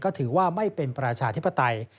ก็ถือว่าไม่เป็นประชาธิปไตย